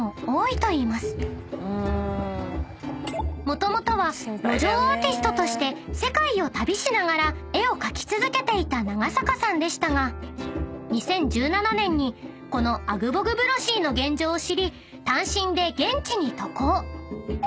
［もともとは路上アーティストとして世界を旅しながら絵を描き続けていた長坂さんでしたが２０１７年にこのアグボグブロシーの現状を知り単身で現地に渡航］